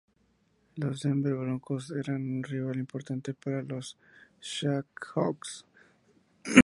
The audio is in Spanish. Los Denver Broncos eran un rival importante para los Seahawks.